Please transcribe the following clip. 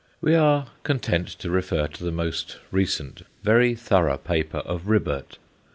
We are content to refer to the most recent very thorough paper of Ribbert.